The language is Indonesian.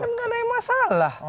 kan nggak ada yang masalah